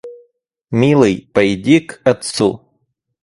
Милый, пойди к отцу.